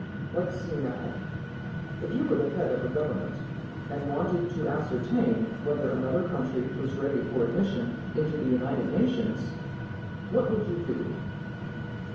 "Let's see now. If you were the head of a government and wanted to ascertain whether another country was ready for admission into the United Nations, what would you do?"